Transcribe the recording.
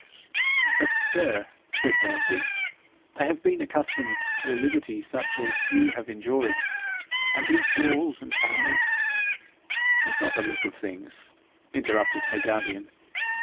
'But, sir,' said Dorothy, 'I have been accustomed to a liberty such as few have enjoyed, and these walls and towers ' 'Heed not the look of things,' interrupted her guardian.